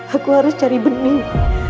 aku harus cari bening